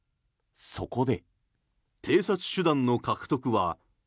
そこで。